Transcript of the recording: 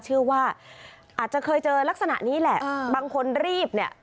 เชื่อว่าอาจจะเคยเจอลักษณะนี้แหละบางคนรีบเนี่ย